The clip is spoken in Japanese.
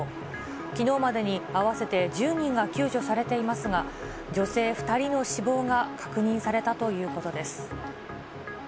きのうまでに合わせて１０人が救助されていますが、女性２人の死亡が確認されたということです。